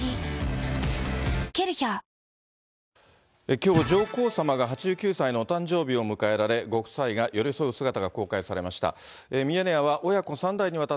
きょう、上皇さまが８９歳のお誕生日を迎えられ、ご夫妻が寄り添う姿が公開されました。